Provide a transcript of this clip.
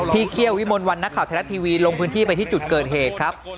เคี่ยววิมลวันนักข่าวไทยรัฐทีวีลงพื้นที่ไปที่จุดเกิดเหตุครับ